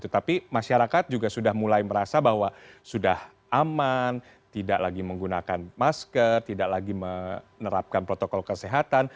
tapi masyarakat juga sudah mulai merasa bahwa sudah aman tidak lagi menggunakan masker tidak lagi menerapkan protokol kesehatan